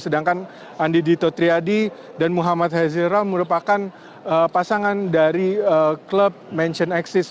sedangkan andi dito triadi dan muhammad haziral merupakan pasangan dari klub mansion axis